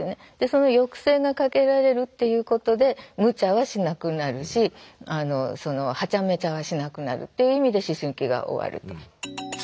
その抑制がかけられるっていうことでむちゃはしなくなるしそのハチャメチャはしなくなるという意味で思春期が終わると。